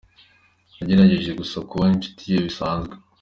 Nagerageje gusa kuba inshuti ye bisanzwe.